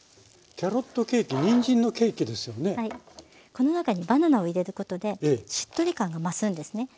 この中にバナナを入れることでしっとり感が増すんですね。